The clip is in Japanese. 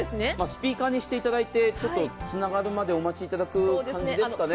スピーカーにしていただいて、つながるまでお待ちいただく感じですかね。